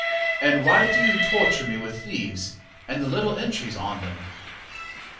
And why do you torture me with leaves And the little entries on them?